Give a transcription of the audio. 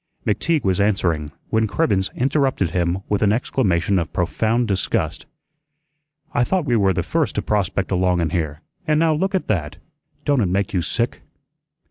McTeague was answering, when Cribbens interrupted him with an exclamation of profound disgust. "I thought we were the first to prospect along in here, an' now look at that. Don't it make you sick?"